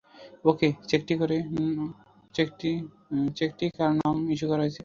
ওকে, চেকটি কার নামে ইস্যু করা হয়েছে?